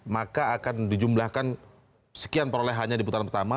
maka akan dijumlahkan sekian perolehannya di putaran pertama